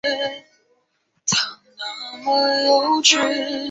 让这些都督府实质上独立于总督。